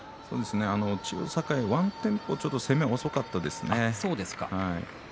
千代栄はワンテンポ攻めが遅かったですね。